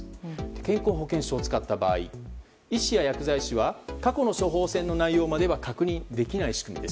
健康保険証を使った場合医師や薬剤師は過去の処方箋の内容までは確認できない仕組みです。